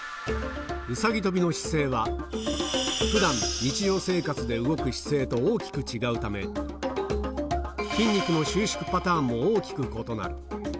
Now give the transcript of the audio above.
うさぎ跳びの姿勢はふだん、日常生活で動く姿勢と大きく違うため、筋肉の収縮パターンも大きく異なる。